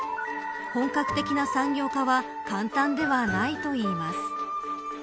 本格的な産業化は簡単ではないといいます。